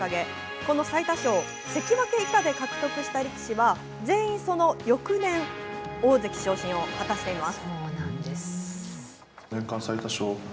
この最多勝、関脇以下で獲得した力士は、全員その翌年、大関昇進を果たしています。